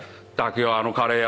あのカレー屋